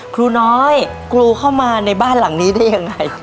ครูน้อยกรูเข้ามาในบ้านหลังนี้ได้ยังไง